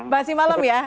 masih malam ya